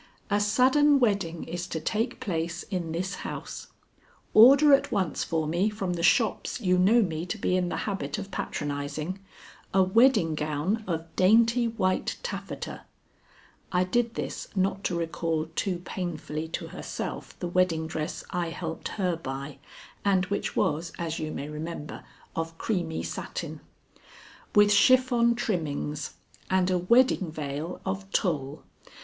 A sudden wedding is to take place in this house. Order at once for me from the shops you know me to be in the habit of patronizing, a wedding gown of dainty white taffeta [I did this not to recall too painfully to herself the wedding dress I helped her buy, and which was, as you may remember, of creamy satin], with chiffon trimmings, and a wedding veil of tulle.